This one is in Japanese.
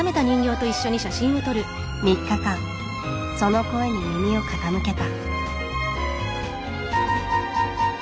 ３日間その声に耳を傾けた。